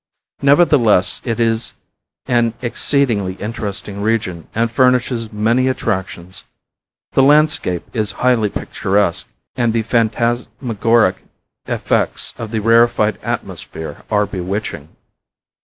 Nevertheless it is an exceedingly interesting region and furnishes many attractions. The landscape is highly picturesque and the phantasmagoric effects of the rarified atmosphere are bewitching.